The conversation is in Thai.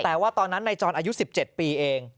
แต่ว่าตอนนั้นนายจรอายุ๑๗ปีเอง